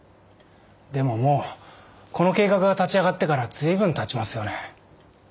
でももうこの計画が立ち上がってから随分たちますよね。